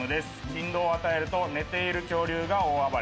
振動を与えると寝ている恐竜が大暴れ。